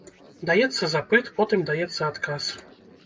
Даецца запыт, потым даецца адказ.